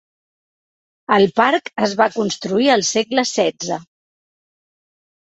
El parc es va construir el segle XVI.